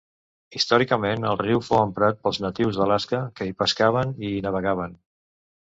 Històricament el riu fou emprat pels natius d'Alaska, que hi pescaven i hi navegaven.